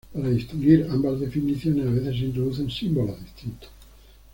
Para distinguir ambas definiciones a veces se introducen símbolos distintos.